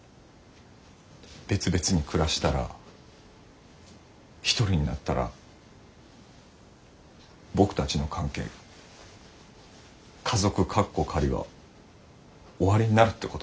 別々に暮らしたら一人になったら僕たちの関係家族カッコ仮は終わりになるってことですよ？